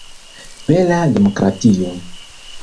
Bela demokratio!